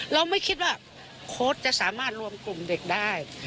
เราไม่คิดว่าโค้ดจะสามารถรวมกลุ่มเด็กได้